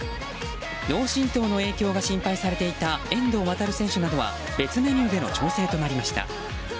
脳しんとうの影響が心配されていた遠藤航選手などは別メニューでの調整となりました。